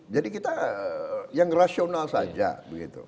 jadi kita yang rasional saja begitu